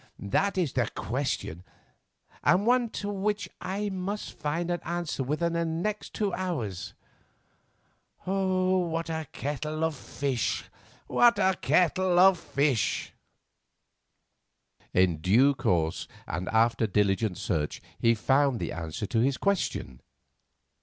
That is the question, and one to which I must find an answer within the next two hours. What a kettle of fish! What a pretty kettle of fish!" In due course, and after diligent search, he found the answer to this question.